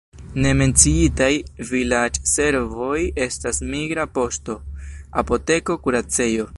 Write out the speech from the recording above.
Ne menciitaj vilaĝservoj estas migra poŝto, apoteko, kuracejo.